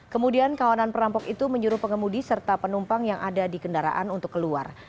kemudian kawanan perampok itu menyuruh pengemudi serta penumpang yang ada di kendaraan untuk keluar